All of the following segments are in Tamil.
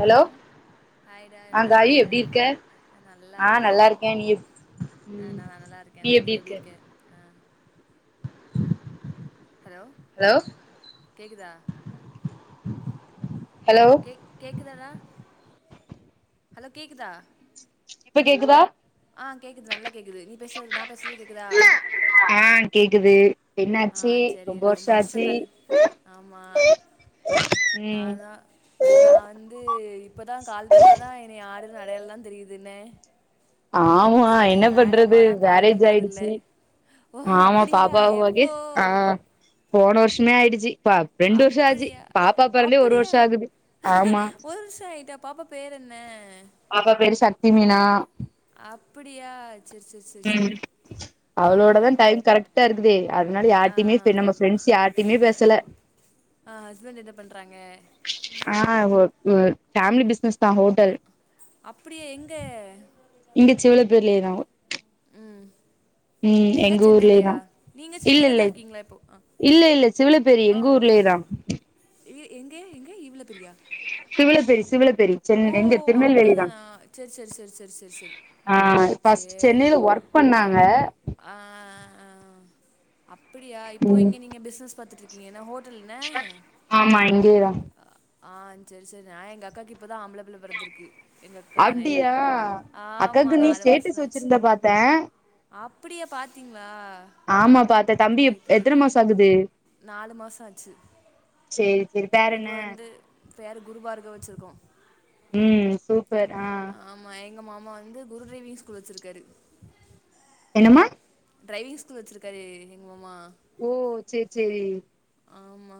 ஹலோ ஹாய்டா ஆஹ் எப்டி காயு இருக்க எப்படிருக்க ஆஹ் நல்லா இருக்கே நீ எப் ஆஹ் ம் நா நல்லாருக்கே நா நீ எப்டி இருக்க எப்படிருக்க ஆஹ் ஹலோ ஹலோ கேக்குதா ஹலோ கேக் கேக்குதடா ஹலோ கேக்குதா இப்ப கேக்குதா ஆஹ் கேக்குது நல்லா கேக்குது நீ பேசுறது நா பேசுறது கேக்குதா என்ன ஆச்சி ரொம்ப வருஷோ ஆச்சி நாதா நா வந்து இப்பதா கால் பண்ணாதா என்ன யாருனு அடையாளல்லா தெ இதுனே ஆமா என்ன பண்றது மேடமாலா கால் மேரேஜ் பண்றதில்ல ஆயிடுச்சு ஓ ஆமா அப்படியா பாப்பாவ பாத் எஸ் எப்போ ஆஹ் போன வருஷ்மே ஆயிடுச்சி பா ரெண்டு வருஷ்சோ ஆச்சு அப்படியா பாப்பா பொறந்தே ஒரு அப்படியா வருஷோ ஆகுது ஆமா ஒரு நிமிஷம் ஆயிட்டா பாப்பா பேர் என்ன பாப்பா பேரு சக்தி மீனா அப்டியா செர் செர் செர் ம் செரி அவளோடதா டைம் கரெக்ட்டா இருக்குதே அதனால ஆ யார்டையுமே பே நம்ம ஃப்ரெண்ட்ஸ் யார்ட்டையுமே பேசல ஆஹ் ஹஸ்பண்ட் என்ன பண்றாங்க ஆ ஒ ஒ ஃபேமிலி பிஸ்னஸ் தா ஹோட்டல் அப்டியா எங்க இங்க சிவலபேர்லேதா எங்க ஊர்லயே சென்னைலையா தா நீங்க இல்ல சென்னையில இல்ல தா இருக்கீங்களா இப்போ ஆஹ் இல்ல இல்ல சிவலப்பேரி எங்க ஊர்லேயேதா எ-எங்கே எங்கே ஈவுள பெரியா பெரி சென் எங்க திருநெல்வேலி தா சேர் சேர் சேர் சேர் சேர் செரி ஆஹ் ஃபஸ்ட் சென்னையில ஒர்க் பண்ணாங்க ஆஹ் ஆஹ் அப்டியா இப்போ ம் இங்க நீங்க பிஸ்னஸ் பாத்துட்டு இருக்கீங்க என்ன ஹோட் ஆமா இங்கயேதா ஆஹ் சேர் செரி நா எங்க அக்காக்கி இப்பதா ஆம்பிள பிள்ள பிறந்துருக்கு எங்கக்கா கல்யாண ஆயி அப்டியா ஆமா அக்காக்கு நீ நாலு மாசந்தா ஸ்டேட்டஸ் ஆச்சு வச்சிருந்த பாத்தே அப்டியா பாத்தீங் ஆமா பாத்தே தம்பி எப் ரைட் எத்தன ரைட் மாசோ ஆகுது சேரி சேரி பேர் இப்ப என்ன வந்து பேரு குரு பார்கவ் வச்சிருக்கோ ம் சூப்பர் ஆஹ் ஆமா எங்க மாமா வந்து குரு டிரைவிங் ஸ்கூல் வச்சுருக்காரு என்னம்மா ட்ரைவிங் ஸ்கூல் வச்சிருக்காரு எங்க மாமா ஓ சேர் சேரி ஆமா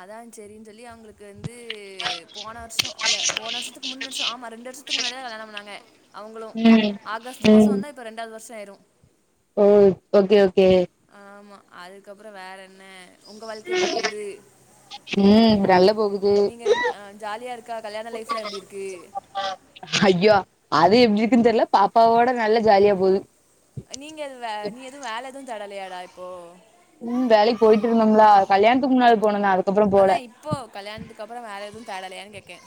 அதா செரின் சொல்லி அவங்களுக் கு வந்து போன வர்ஷோ இல்ல போன வர்ஷத்துக்கு முந்தன வர்ஷோ ஆமா ரெண்டு வர்ஷத்துக்கு முன்னாடிதா கல்யாணோ பண்ணாங்க அவங்களு ம் ஆகஸ்டு ம் மாசோ வந்தா இப்போ ரெண்டாவது வர்ஷோ ஆயிரு ஓ ஓகே ஓகே ஆமா அதுக்கப்றோ வேற என்ன உங்க வாழ்க்கை எப்டி போகுது ம் நல்ல போகுத் நீங்க ரெண் அஹ் ஜாலியா இருக்கா கல்யாண லைஃப்லா எப்டி இருக்கு ஐயோ அது எப்டி இருக்குன்னு தெர்ல பாப்பாவோட நல்லா ஜாலியா போது நீங்க எது வே நீ எதுவு வேல எதுவு தேடலையாடா இப்போ ம் வேலைக்கு போயிட்டு இருந்தோம்லா கல்யாணத்துக்கு முன்னாள் போன நானு அதா இப்போ கல்யாணத்துக்கு அப்றோ வேல எதுவு தேடலையான்னு கேக்கே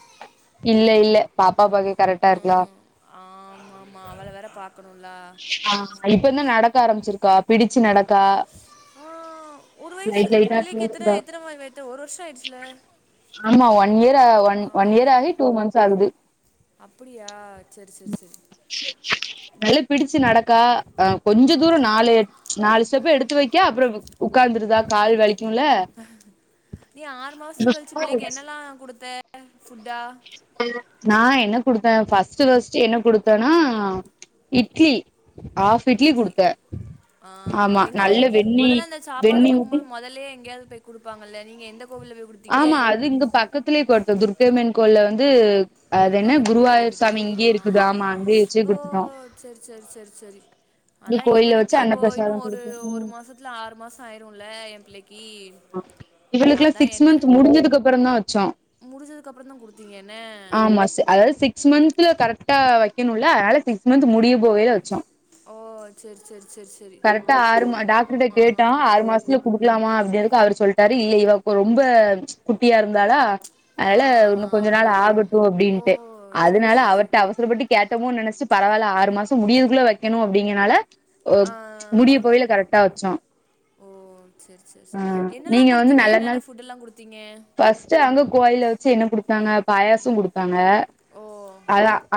இல்ல இல்ல பாப்பா பாக்க கரெக்டா இருக்குலா ம் ஆமா ஆமா அவள வேற பாக்கணுல்ல ஆ இப்பந்தா நடக்க ஆரம்பிச்சிருக்கா பிடிச்சி நடக்கா ஆ ஒரு வயசு லைட் லைட்டா பிள்ளைக்கு எத்தன பேசுறா எத்தன மா வைத்துல ஒரு வருஷோ ஆயிடுச்சுல ஆமா ஒன் இயர் ஆ ஒன் ஒன் இயர் ஆகி டூ மந்த்ஸ் ஆகுது அப்படியா சரி சரி சரி நல்ல பிடிச்சு நடக்கா அ கொஞ்ச ஆ தூரோ நாலு நாலு ஸ்டெப்பு எடுத் து வைக்கா அப்புறோ உட்கார்ந்துருதா கால் வலிக் நீ ஆறு மாசங்கழிச்சி பிள்ளைக்கு என்னல்லா குடுத்த ஃபுட்டா நா என்ன குடுத்த ஃபர்ஸ் ஃபர்ஸ்ட் ஃபர்ஸ்ட் என்ன குடுத்தேன்னா இட்லி ஹாப் இட்லி குடுத்த ஆ எங்க மொதலல அந்த சாப்பாடு வெண்ணி குடுக்கு ஊத்தி போது மொதலே எங்கயாவது போய் குடுப்பாங்கல்ல நீங்க எந்த கோவில்ல போய் குடுத்தீங்க ஆமா அது இங்க பக்கத்துலேயே கொடுத்த துர்கையம்மன் கோயிள்ள வந்து ஓ அது என்ன பக்கத்து கோவில்லே குருவாயூர் சாமி போயிட்டீங்களா ஆ இங்கேயே இருக்குது ஆமா அங்கயே வச்சு ஓ குடுத்துட்டோ செர் செர் செர செரி இங்க அதா கோயில்ல இவனுக்கு வச்சு இப்போ இன்னு அன்னப்பிரசாதம் ஒரு குடுத்தோ ஒரு ம் மாசத்துல ஆறு மாச ஆயிருல எ பிள்ளை இவளுக்கெல்லா சிக்ஸ் என்ன மந்த் முடிஞ்சதுக்கு அப்பறம் தா வச்சோ முடிஞ்சதுக்கு அப்பறம் தா குடுத்தீங்கன்ன மந்தல கரெக்டா வெக்கணுல்ல அதனால சிக்ஸ் மந்த் முடிய போகயில வச்சோ ஓ செர் செர கரெக்டா ஆறு டாக்டர்ட்ட ஆ கேட்டோ ஆறு மாசத்துல குடுக்கலாமா அப்டி அவரு சொல்ட்டாரு இ இவ ரொம்ப குட்டியா இருந்தாலா ஆ அதுல இன்னு கொஞ்ச நாள் ஆ ஆகட்டு ஓ அப்படின்ட்டு சரி அதனால சரி சரி அவர்ட்ட அவசரப்பட்டு கேட்டோமோனு நெனச்சு பரவால்ல ஆறு மாசம் முடியதுக்குள்ள வைக்கணு அப்படிங்னால முடிய ஆ போவைல கரெக்டா வச்சோ ஓ! சரி, சரி, அ சரி. என்னலாம் நீங்க வந்து குடுத்தீங்க? நல்ல நாள் என்னென்ன ஃபுட்டெல்லாம் குடுத்தீங்க? ஃபஸ்ட்டு அங்க கோயில்ல வச்சு என்ன குடுப் நாங்க பாயாச குடுப்பாங்க ஓ!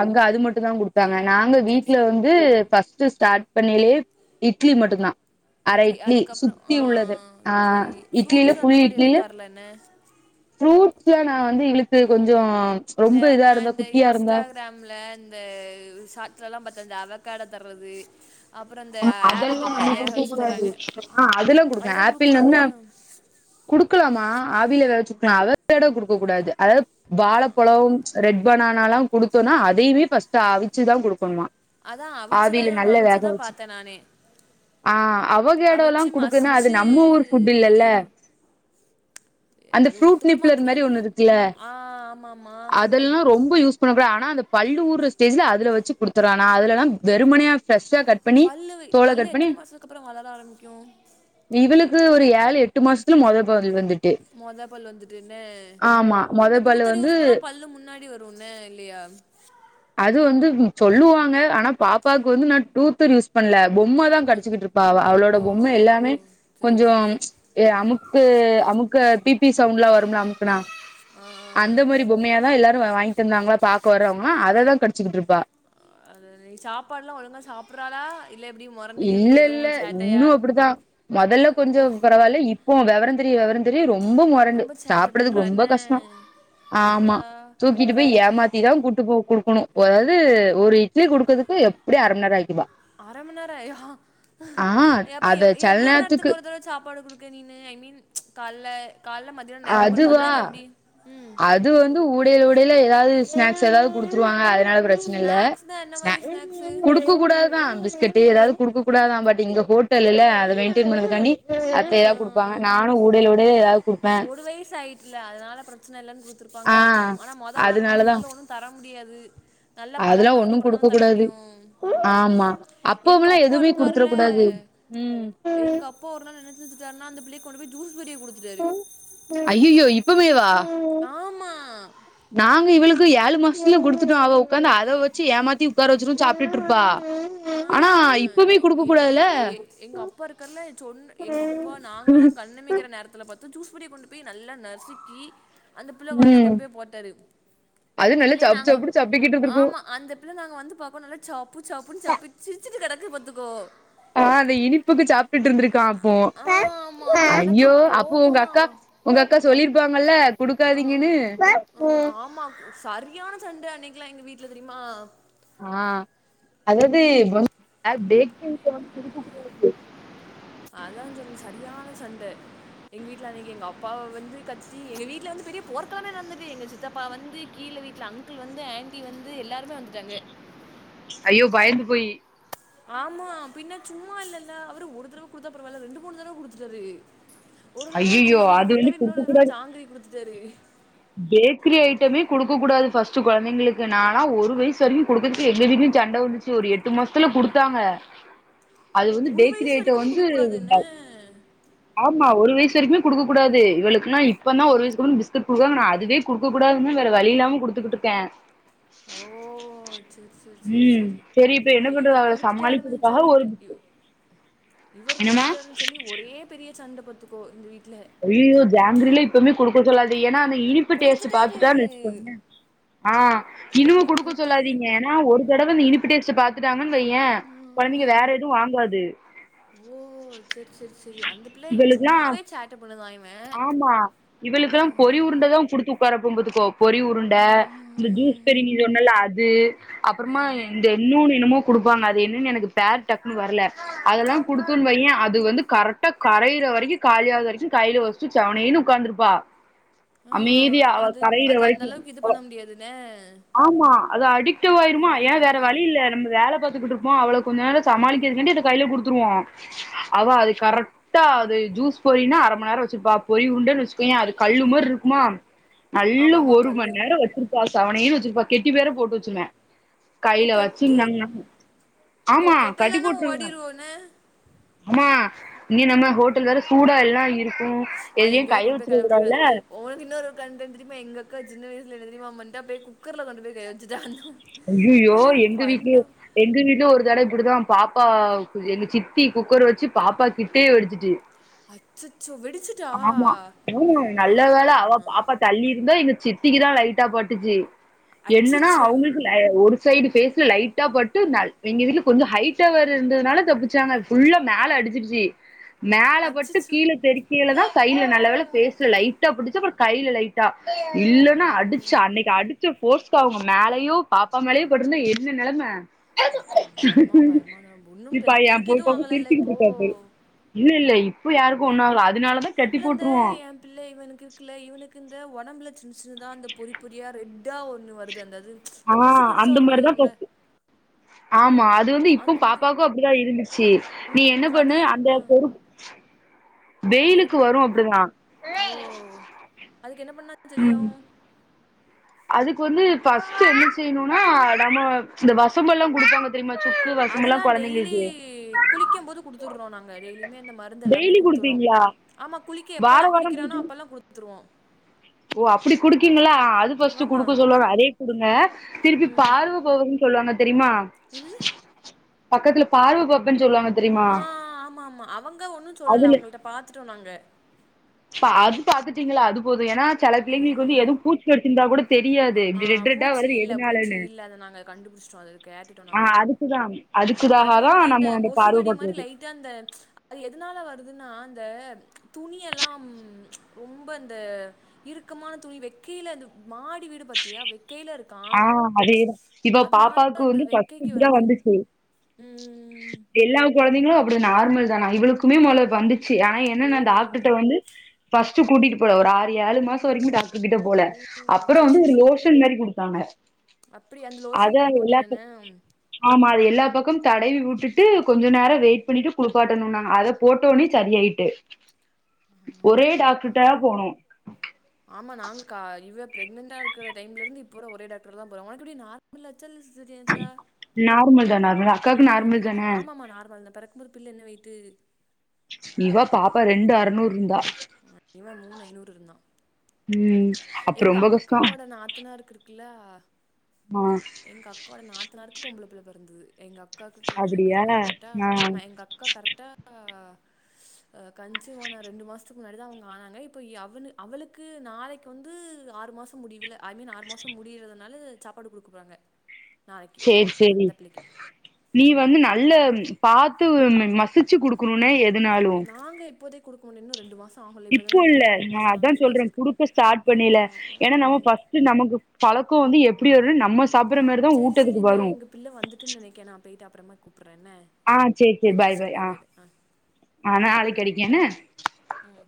அங்க அது மட்டுந்தா குடுப் தாங்க நாங்க சரி, வீட்ல சரி. வந்து ஃபர்ஸ்ட்டு ஸ்டார்ட் பண்ணலயே இட்லி மட்டுந்தா அர இட்லி அதுக்கப்பறம் சுத்தி ஆ உள்ளது ஆ சரி இட்லில ஃப்ரூட்ஸ் அந்த ஃபுல் மாரி எதுவு தர்லன்ன ஃபர்ஸ்ட்ல நா வந்து இழுத்து கொஞ்சோ இந்த ரொம்ப நா இதா இருந்தா இந்த குட்டியா இருந்தா இன்ஸ்டாகிராம்ல இந்த சாட்ஸ்லா பாத்த இந்த அவ கடோ தர்றது அப்புறம் இந்த அதெல்லா ஆப்பிள்ல வேக எடுக்க வச்சு கூடாது தர்றாங்க. ஆ அதெல்லா குடுக்கலா அதெல்லாம் ஆப்பிள் குடுக்கக்கூடாது நம்ம என்ன? குடுக்கலாமா ஆவியில வேகவச் கொடுக்கலா அவகேடோ கொடுக்க கூடாது அதாவது ஆ வாழப்பழம் ரெட் பனானா லா குடுத்தோன்னா அதையுமே ஃபஸ்டு ஆவிச்சு தா குடுக்கணுமா அதா அவிச்சுதா ஆவில நல்லா வேக அவிச்சுதா வச்சு பாத்தே நானு ஆ அவகேடோலா அவிச்சு குடுக்குன்னா அது மசிச்சு நம்ம ஊர் ஃபுட் இல்லல்ல அந்த அது ஃப்ரூட் ஒத்துக்கிடுமா நிப்ளர் மாரி ஒத்துக்கலான்னு ஒண்ணு தெர்ல இருக்குல ஆ ஆமாமா அதெல்லா ரொம்ப யூஸ் பண்ண கூடா ஆனா அந்த பள்ளு ஊற ஸ்டேஜ்ல அதுல வச்சு குடுத்துருறா நா அதுலல்லா வெறுமனைய ஃப்ரெஷ்ஷா கட் பண்ணி லூவ் தோல பல்லு கட் பண்ணி எத்தன மாசத்க்கு அப்பறம் வளர ஆரம்பிக்கு இவளுக்கு ஒரு ஏழு எட்டு மாசத்துல மொத பல் வந்துட் மோதா பல்லு வந்துட்டு என்ன ஆமா மொத அந்த பல்லு டூத்தர் வந்து யூஸ் பண்ணா பல்லு முன்னாடி வரு ன்ன இல்லையா அது வந்து சொல்லுவாங்க ஆனா பாப்பாவுக்கு வந்து நா டூத்தர் யூஸ் பண்ல பொம்ம தா ம் கிடிச்சிகிட் இருப்பா ஓ அவளோட பொம்ம எல்லாமே சரி கொஞ்ச சரி சரி ஏ அமுக்கு அமுக்க பிபி சவுண்ட்லா வரும்ல அமுக்குனா ஆ ஆ அந்த மாரி பொம்மையாதா எல்லாரு வாங்கிட்டு இருந்தாங்களா பாக்க வர்றவங்களா அததா கடிச்சுக்கிட்டுருப்பா ஆ அது சாப்பாடுலா ஒழுங்கா சாப்பிர்றாலா இல்ல இல்ல இன்னு அப்படித்தா மொதல்ல கொஞ்ச ஓ பரவால்ல இப்போ வெவர தெரிய வெவர தெரிய ரொம்ப மொறண்டு ரொம்ப சேட்ட சாப்படுறதுக்கு பண்றா ரொம்ப என்ன கஷ்டம் எ ஆமா ஆத்தா தூக்கிட்டு போய் ஏமாத்திதான் கூட்டுபோ கொடுக்கணும் அதாவது ஒரு இட்லி கொடுக்கதுக்கு எப்படி அரைமண் நேரம் ஆக்கிருவா அரை மணி நேரம் ஐயோ எப்ப அத செல எவ்ளோ நேரத்துக்கு ஒரு தடவை சாப்பாடு கொடுக்க நீனு ஐ மீன் கால்ல கால்ல மத்யானம் நைட்டு மட்டுந்தானா அதுவா இல்ல எப்டி ம் அது வந்து கொடுத்துருவா அதனால பிரச்சனை இல்ல ஸ்நாக்ஸ்னா என்ன மாரி ஸ்னக் ஸ்நாக்ஸு குடுக்க கூடாதுதான் பிஸ்கட்டு ஏதாவது குடுக்க கூடாதான் பட் எங்க ஹோட்டலில அத மெயின்டெய பறதுக்காண்டி ஆ அத்த ஏதாவது கொடுப்பாங்க நானும் ஊடைல ஊடைல எதாவது ஒரு வயசு ஆயிட்ல அதனால பிரச்சனை இல்ல ஆ கொடுத்துருப்பாங்களா இருக்கும் ஆனா மொத ஆறு அதனாலதா மாசத்துக்குள்ள ஒன்னும் தர முடியாது நல்லா அதெல்லா பழகுனதுக்கு ஒண்ணு அப்புறம் தானே குடுக்க தர முடியும் கூடாது ஆமா அப்புமெல்லாம் அப்பா எதுவுமே குடுத்துர இருக்காருல கூடாது உம் நினைச்சி வச்சிட்டாருனா அந்த புள்ளையக் கொண்டு போய் ஜுஸ் பெரிய கொடுத்துட்டாரு ஐயயோ இப்பவேவா ஆமா நாங்க இவளுக்கு ஏழு மூணு மாஸத்துலே குடுத்துட்டோம் அவ உக்காந்து அழுவ வச்சு ஏமாத்தி உக்கார வச்சி சாப்ட்டுட்டு இருப்பா ஆ ஆனா இப்பமே எங் குடுக்க எங்க கூடாதுல வீட்டுல எங் எங்க அப்பா இருக்காருல சொன்ன எங்க அப்பா நாங்கல்லாம் கண்ணமைக்கிற நேரத்தில பாத்த அந்த ஜூஸ் பெரிய கொண்டு போய் நல்லா நசுக்கி அந்த புள்ள வாயில ம் கொண்டு போய் போட்டாரு அது அந்த நல்லா பிள்ளைய சப் நாங்க சப்புன்னு சப்பிகி ஆமா அந்த பிள்ள நாங்க வந்து பாக்கோம் நல்லா சப்பு சப்புன்னு சப்பி சிரிச்சிட்டு கிடக்கு பாத்துக்கோ ஆஹ் அந்த இனிப்புக்கு சாப்டுட்டு இருந்துருக்கான் ஓ ஆமா எனக்கு ஐயோ அப்போ கோவமா உங்க அக்கா உங்க அக்கா சொல்லிருப்பாங்கல்ல ஆ ஆ குடுக்காதீங்கன்னு ஆ இல்ல எங்க வீட்டுல தெரியுமா ஆஹ் அது எது பேக்கிங் சோடா குடுக்க கூடாது அதான் சொன்ன சரியான சண்ட எங்க வீட்டுல அன்னைக்கு எங்க அப்பாவ வந்து கத்தி எங்க வீட்டுல வந்து பெரிய போர்க்களமே நடந்துட்டு எங்க சித்தப்பா வந்து கீழ் எங்க வீட்டுல அங்கிள் வந்து ஆண்டி வந்து எல்லாருமே வந்துட்டாங்க ஐயோ பயந்து போயி ஆமா பின்ன சும்மா இல்லல்ல அவரு ஒரு தடவ கொடுத்தா பரவாயில்ல ரெண்டு மூணு தடவ குடுத்துட்டாரு ஒரு தடவ ஐயயோ ஜூஸ் பெரி அது வந்து குடுத்தாரு குடுக்க இன்னொரு தடவ கூடாது ஜாங்கிரி குடுத்துட்டாரு பேக்கரி ஐட்டமே குடுக்க கூடாது ஃபஸ்ட் குழந்தைங்களுக்கு நானா ஒரு வயசு வரைக்கும் கொடுத்துட்டு எங்க வீட்லையும் சண்ட வந்துச்சு ஒரு எட்டு மாசத்துல குடுத்தாங்க ஓ அது வந்து ஒரு பேக்கரி வயசு ஐட்டம் வரைக்குமே வந்து கொடுக்கக்கூடாது என்ன ஆமா ஒரு வயசு வரைக்குமே குடுக்க கூடாது இவளுக்கெல்லாம் இப்ப தான் ஒரு வயசுக்கப்புறம் பிஸ்கட் குடுக்க அதுவே குடுக்க கூடாதுன்னா வேற வழி இல்லாம குடுத்துக்கிட்டு இருக்கேன் ஓ சேரி சேரி சேரி ம் சேரி சரி இப்ப என்ன இங்க பண்றது இவரு அவள குடுத்துட்டாருன்னு சமாளிக்கிறதுக்காக ஒரு சொல்லிட்டு இவர் என்னமா குடுத்துட்டாருன்னு சொல்லி ஒரே பெரிய சண்ட பாத்துக்கோ இந்த வீட்டு ஐயயோ ஜாங்கிரிலாம் இப்பமே குடுக்க சொல்லாத ஏன்னா அந்த இனிப்பு டேஸ்ட் குடுத்துட்டாரு பாத்துட்டா ஆஹ் இந்த இனிமே பிள்ளைக்கு குடுக்க குடுத்து சொல்லாதீங்க ஏன்னா ஒரு தடவ இந்த இனிப்பு டேஸ்ட் பாத்துட்டாங்கன் சின்ன பையன் கொழந்தைங்க வேற ம் எதுவும் வாங்காது ஓ சேரி சேரி சேரி அந்த புள்ள இவளுக்குல்லா சும்மாவே சேட்ட பண்ணுதா இவ ஆமா இவளுக்கெல்லாம் பொறி உருண்ட தான் குடுத்து உக்கார வைப்பே பாத்துக்கோ பொறி உருண்ட இந்த ஜூஸ்பெரி நீ சொன்னல அது ஆ அப்புறமா ஆ இந்த இன்னொன்னு என்னமோ குடுப்பாங்க அது என்னன்னு எனக்கு பேர் டக்குன்னு வரல அதெல்லாம் குடுத்தோம்ன்னு வையே அது வந்து கரெக்டா கரையிற வரைக்கும் காலியாவது வரைக்கும் கையில வச்சிட்டு சிவனேன்னு உக்காந்துருப்பா ஆஹ் அது அது அந்த அளவுக்கு இது பண்ண முடியாதுன்னே ஆமா அது அடிக்டவ ஆயிருமா ஏன் வேற வழி இல்ல நம்ம வேலை பாத்துக்கிட்டு இருப்போம் அவ்வளவு கொஞ்ச நேரம் சமாளிக்கதுக்காண்டி அத கையில் குடுத் துருவோம் அவா அத கரெக்டா அது ஜூஸ் பொறினா அரைமணி நேரம் வச்சுப்பா பொறி உருண்டன்னு வச்ச அது கல்லு மாரி இருக்குமா நல்லா ஆமாமா ஒரு கல்லு மண் நேரோ வெச்சிருப்பா செவனேன்னு வெச்சிருப்பா கெட்டி வேற போட்டு வெச்சிருவே ஓ கையில கெட்டி வச்சுந்தாங்னா கொ ஆமா கட்டி கெட்டலன்னா போட்ருவ ஓடிருவோன்ன ஆமா நீ நம்ம ஹோட்டல் வேற சூடா எல்லா இரு ஆ எங்கயாவது கொண்டு போய் கிளம்பிட்டு இருக்காது உனக்கு இன்னொரு கண்டெண்ட் தெரியுமா எங்கக்கா சின்ன வயசுல என்ன தெரியுமா பண்டா குக்கர்ல கொண்டு போய் கை வெச்சிட்டா ஐய்யய்யோ எங்க வீட்லயு எங்க வீட்லயு ஒரு தட இப்டிதா பாப்பா எங்க சித்தி குக்கர் வெச்சு பாப்பா கிட்டே வெடிச்சிட்டு அச்சச் ஆமா ம் நல்ல ஆஹா வேல அவ பாப்பா தள்ளி இருந்தா எங்க சித் சித்திக்கு தா லைட்டா பட்டுச்சி என்னனா அச்சச்சோ அவுங்குளுக்கு லை ஒரு சைடு பேஸு லைட்டா பட்டு நல் எங்க வீட்ல கொஞ்சோ ஹைட்டா வேர இருந்ததுனால தப்பிச்சாங்க ஃபுல்லா மேல அடிச்சிர்ச்சி மேல பட்டு அச்சச்சோ கீழே தெருக்கியிலதா கைலல நல்ல வேல ஃபேஸ்ல லைட்டா பட்டுச்சி அப்புறோ கையில லைட்டா ஓ இல்லன்னா அடிச்சா அன்னிக்கு அடிச்ச போஸ் ப்பா அவுங்க மேலயு பாப்பா மேலயு பட்டிருந்தா என்ன நெலம ஆத்த எம்மா பயமா ஒண்ணு இப்ப அந்த என் பொ பிள்ளைக்கு எதுவு பாப்பா ஆகல இல்ல சிரிச்சுக்கிட்டு இப்போ இருக்கா பாரு. இல்ல இல்ல இப்ப யாருக்கோ ஒன்னு ஆவுல இல்லந்த என் பிள்ள இவனுக்கு இருக்குல்ல இவனுக்கு இந்த ஒடம்புல சின்ன சின்னதா அந்த பொறி பொறியா ரெட்டா ஒண்ணு வருது அந்தா இது ஆ அந்த மாரிதா பேசுச்சு ஆமா அது வந்து அந்த இப்பவு மாதி பாப்பாக்கு அப்புடிதா இருந்துச்சி நீ என்ன ம் அது பண்ணு அந்த ம் பொறு அதுக்கு என்ன வெயிலுக்கு பண்ண வரோ அப்டிதா ஓ அதுக்கு என்ன பண்ணா தெரியு அதுக்கு வந்து ஃபர்ஸ்ட்டு என்ன செய்யணும்னா நம்ம இந்த வசம்பெல்லா குடுப்பாங்க தெரியுமா? சுக்கு, அதெல்லா வசம்பெல்லாம் டெய்லி குழந்தைங்களுக்கு. குளிக்கும் போது குடுத்துறோ நாங்க டெய்லியுமே அந்த மருந்து எல்லாமே குடுத் அடிப்பீங்ளா ஆமா குளிக்க எப்ப எல்லா குளிக்கிறானோ அப்ப எல்லா குடுத்துடுவோ ஓ அப்டி குடுக்கீங்களா அது பர்ஸ்ட்டு ஆமா குடுக்க சொல்லுவாங்க அதயு குடுங்க திருப்பி பாலுக்கொன்னு சொல்லுவாங்க தெரியுமா என்னது பக்கத்துல பார்வ கோப்பன்னு சொல்லுவாங்க தெரியுமா? ஆ ஆமா ஆமா அவுங்க ஒன்னோ சொல்லல அதுல அவுங்க கிட்ட பாத்துட்டோ நாங்க அது பாத்துட்டீங்களா அது போதோ ஏன்னா செல பிள்ளைங்குளுக்கு வந்து ம் எதுவு பூச்சு கடிச்சிருந்தா கூட தெரியாது ஆ இப்டி ரெட் ரெட்டா பூச்சி வருது இல்ல பூச்சி எதுனாலன்னு இல்ல அத நாங்க கண்டுபுடிச்சுட்டோ அது கேட்டுட்டோ ஆ நாங்க அதுக்குதான் ஆ அதுக்குதாக அது தான் வந்து இந்த நம்ம அந்த பார்வ கொசுகடி மாரி பாக்குறது லைட்டா இந்த எதுனால வரு எதுனா அந்த துணி எல்லா ரொம்ப அந்த இருக்கமான துணி வெக் கீழ அந்த மாடி வீடு பாத்தியா வெக்கையில ஆ இருக்கான். அதேதா இப்ப அதனால பாப்பாக்கு அந்த வந்து ஃபர்ஸ்ட்டு வெக்கைக்கு இப்டீதா வருது. வந்துச்சு ம் எல்லா கொழந்தைங்களு அப்டி நார்மல் தானா இவளுக்குமே மொதல்ல வந்து ஆ ஓ என்னனா டாக்டர்கிட்ட வந்து ஃபர்ஸ்ட்டு கூட்டிட்டு போல ஒரு ஆறு ஏழு மாசோ வரைக்கு டாக் அதுகிட்ட போல ஓ அப்புறோ சரி வந்து சரி ஒரு சரி லோஷன் மாரி குடுத்தாங்க அப்படி அந்த லோஷன் அதா நீங்க போட்டீங்க என்ன? எல்லாத்துக் ஆமா அது எல்லா பக்கமு தடவி வுட் டுட்டு கொஞ்சோ நேரோ வெயிட் பண்ணிட்டு குளிப்பாட்டணோம்னாங்க அத போட்ட ஒன்னே செரி ஆயிட்டு ஒரே டாக்டர்ட்ட போனோ பிரக்னண்டா இருக்குற டைம்லர்ந்து இப்ப வர ஒரே டாக்டர் தா போறே உனக்கு எப்டி நார்மலா நார்மல் தானா அதலா நார்மல் தானா ஆமா ஆமா நார்மல் தா பெறக்கும் போது பிள்ள என்ன வெயிட்டு இவ பாப்பா ரெண்டு அற்நூறு இருந்தா இவ மூனுஐநூறு இருந்தா ம் அப்ப எங்க ரொம்ப கஷ்டோ அக்காவோட நாத்தனாருக்கு இர்க்குல்ல ஆ எங்க அக்காவோட நாத்தனாருக்கு பொம்புள புள்ள பெறந்தது எங்க அக்காக்கு க அப்டியா ககரெக்டா ஆ ஆமா எங்க அக்கா கரெக்டா ஆ கன்சிவான ரெண்டு மாசத்துக்கு முன்னாடிதா அவுங்க ஆனாங்க இப்ப அவனு அவளுக்கு நாளைக்கு வந்து ஆறு மாசம் முடிவுல ஐ மீன் ஆறு மாசம் முடியுறதுனால சாப்பாடு குடுக்க போறாங்க நாளைக்கு சேரி சேரி அந்த பிள்ளைக்கு நீ வந்து நல்ல பாத்து மசிச்சு குடு க்கணுன்னே எதுனாலு குடுக்கோணு இன்னு ரெண்டு மாஸ் இப்போ இல்ல நா அதா சொல்ற ஆச்சிருக்கு குடுக்க ஸ்டார்ட் பண்ணையில ஏன்னா நம்ம ஃபஸ்ட்டு நமக்கு பழக் கோ வந்து எப்டி வருனு நம்ம சாப்புட்ற மாரிதா சேரி சேரி ஊட்டத்துக்கு இந்த வரு எங்க பிள்ள வந்துட்டுன்னு நெனைக்க நா போயிட்டு அப்பறமா கூப் அப்ற என்ன ஆ ஆ செரி செரி பாய் பாய் ஆ ஆனா அது கெடைக்கோணு ம்